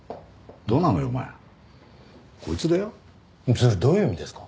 それどういう意味ですか？